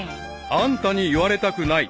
［あんたに言われたくない］